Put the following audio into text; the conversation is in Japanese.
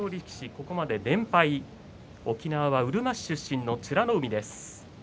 ここまで連敗沖縄うるま市出身の美ノ海です。